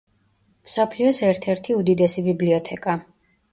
მსოფლიოს ერთ-ერთი უდიდესი ბიბლიოთეკა.